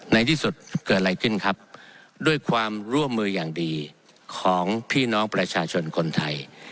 ในที่สุดเกิดอะไรขึ้นครับด้วยความร่วมมืออย่างดีของพี่น้องประชาชนคนไทย